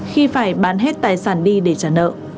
khi phải bán hết tài sản đi để trả nợ